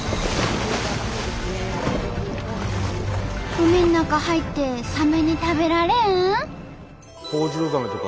海の中入ってサメに食べられん？